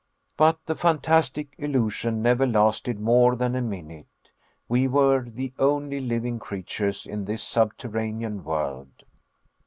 But the fantastic illusion never lasted more than a minute. We were the only living creatures in this subterranean world!